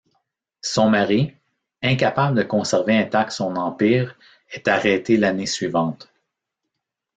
Son mari, incapable de conserver intact son empire, est arrêté l'année suivante.